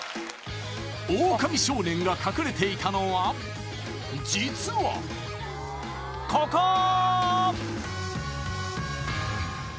オオカミ少年が隠れていたのは実はここー！